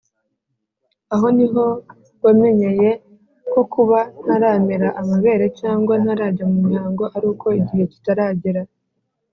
aho ni ho namenyeye ko kuba ntaramera amabere cyangwa ntarajya mu mihango aruko igihe kitaragera